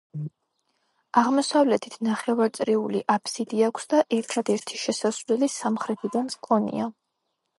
აღმოსავლეთით ნახევარწრიული აფსიდი აქვს და ერთადერთი შესასვლელი სამხრეთიდან ჰქონია.